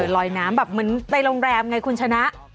ลอยน้ำแบบเหมือนไปโรงแรมไงคุณชนะ